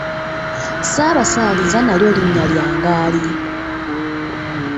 Ssaabasaaliza nalyo linnya lya ngaali.